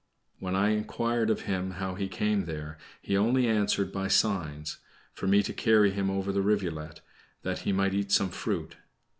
When I enquired of him how he came there, he only answered by signs for me to carry him over the rivulet, that he might eat some fruit.